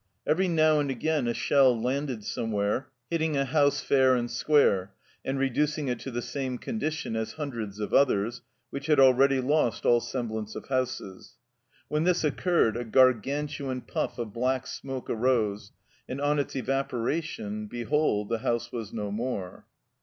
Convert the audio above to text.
Every now and again a shell landed somewhere, hitting a house fair and square, and reducing it to the same condition as hundreds of others, which had already lost all semblance of houses ; when this occurred a Gargan tuan puff of black smoke rose, and on its evapora tion, behold, the house was no more